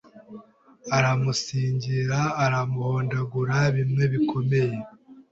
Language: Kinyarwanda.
Aramusingira aramuhondagura bimwe bikomeye.